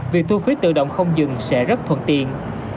việc thu phí tự động không dừng sẽ rất thuận tiện